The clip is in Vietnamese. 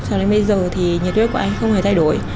cho đến bây giờ thì nhiệt huyết của anh không hề thay đổi